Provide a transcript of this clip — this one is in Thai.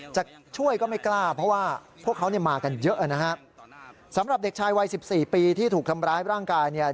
จะช่วยก็ไม่กล้าเพราะว่าพวกเขาเนี่ยมากันเยอะนะฮะสำหรับเด็กชายวัยสิบสี่ปีที่ถูกทำร้ายร่างกายเนี่ย